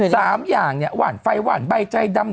สามอย่างเนี่ยว่านไฟหว่านใบใจดำ